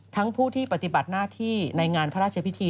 ผู้ที่ปฏิบัติหน้าที่ในงานพระราชพิธี